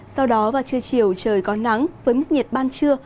sau đó vào trưa chiều trời có nắng với mức nhiệt ban trưa